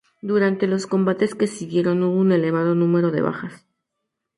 Durante los combates que siguieron hubo un elevado número de bajas.